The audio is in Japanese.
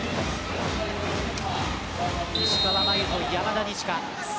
石川真佑と山田二千華